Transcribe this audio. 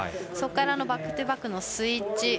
そこからのバックトゥバックのスイッチ。